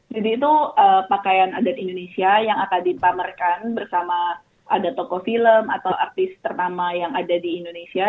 jadi itu pakaian adat indonesia yang akan dipamerkan bersama ada toko film atau artis ternama yang ada di indonesia